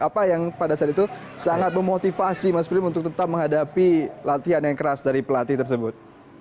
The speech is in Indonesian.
apa yang pada saat itu sangat memotivasi mas prim untuk tetap menghadapi latihan yang keras dari pelatih tersebut